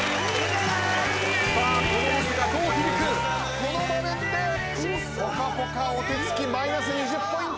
この場面でぽかぽかお手つきマイナス２０ポイント。